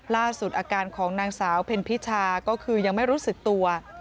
อาการของนางสาวเพ็ญพิชาก็คือยังไม่รู้สึกตัว